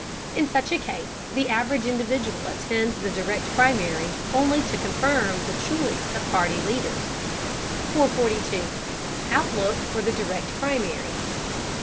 In such a case, the average individual attends the Direct Primary only to confirm the choice of party leaders. 442. OUTLOOK FOR THE DIRECT PRIMARY.